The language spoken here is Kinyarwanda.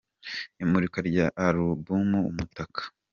Imurika rya arumbumu Umutaka